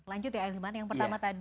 lanjut ya ilmuwan yang pertama tadi ya ya